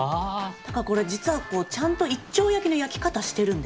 だからこれ実はちゃんと一丁焼きの焼き方してるんですよね。